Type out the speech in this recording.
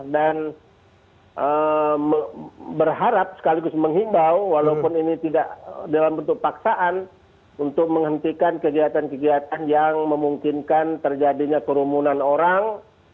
dan berharap sekaligus menghimbau walaupun ini tidak dalam bentuk paksaan untuk menghentikan kegiatan kegiatan yang memungkinkan terjadinya kerumunan orang